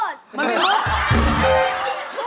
มันไม่รู้